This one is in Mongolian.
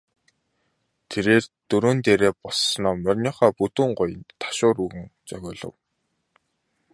Тэрээр дөрөөн дээрээ боссоноо мориныхоо бүдүүн гуянд ташуур өгөн цогиулав.